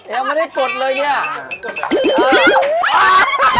ยังไม่ได้กดเลยเนี่ย